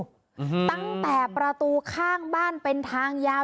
ตั้งแต่ประตูข้างบ้านเป็นทางยาว